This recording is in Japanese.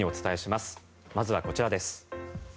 まずはこちらです。